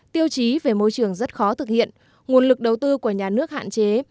tiêu chí về môi trường rất khó thực hiện nguồn lực đầu tư của nhà nước hạn chế